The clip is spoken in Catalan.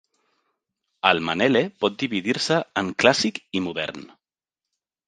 El manele pot dividir-se en clàssic i modern.